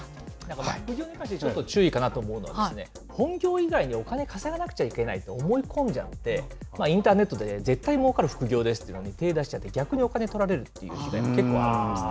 副業に関してちょっと注意かなと思うのは、本業以外にお金稼がなくちゃいけないと思い込んじゃって、インターネットで絶対もうかる副業ですとかに手出しちゃって、逆にお金取られるということが結構あるんですね。